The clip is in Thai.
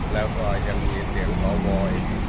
แล้วก็ยังมีเสียงสว